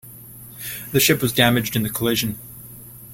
The ship was damaged in the collision.